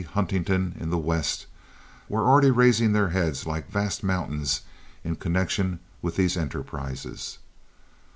Huntington, in the West, were already raising their heads like vast mountains in connection with these enterprises.